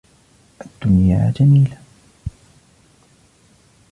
الدنيا جميلة.